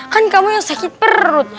kan kamu yang sakit perut